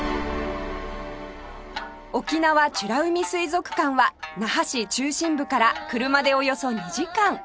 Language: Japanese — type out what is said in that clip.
沖縄美ら海水族館は那覇市中心部から車でおよそ２時間